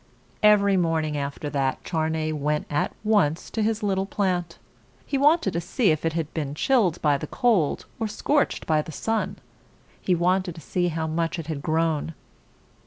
Every morning after that, Charney went at once to his little plant. He wanted to see if it had been chilled by the cold, or scorched by the sun. He wanted to see how much it had grown.